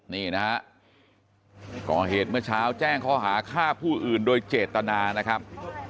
นี่นะฮะก่อเหตุเมื่อเช้าแจ้งข้อหาฆ่าผู้อื่นโดยเจตนานะครับ